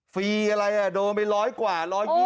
ฟรีอะไรอ่ะโดนไปร้อยกว่า๑๒๐